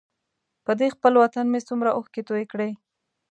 په دې خپل وطن مې څومره اوښکې توی کړې.